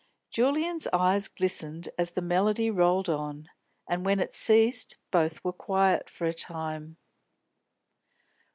Julian's eyes glistened as the melody rolled on, and when it ceased, both were quiet for a time.